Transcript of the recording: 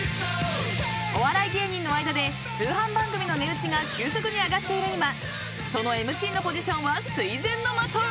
［お笑い芸人の間で通販番組の値打ちが急速に上がっている今そのＭＣのポジションは垂ぜんの的］